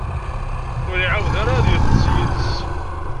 Ur iɛawed ara ad iṭṭeṣ yid-s.